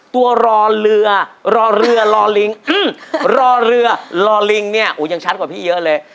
รอเรือรอเรือรอลิงรอเรือรอลิงเนี่ยโอ้ยังชัดกว่าพี่เยอะเลย